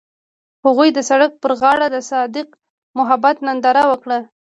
هغوی د سړک پر غاړه د صادق محبت ننداره وکړه.